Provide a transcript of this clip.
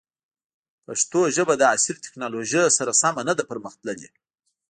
پښتو ژبه د عصري تکنالوژۍ سره سمه نه ده پرمختللې.